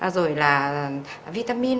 rồi là vitamin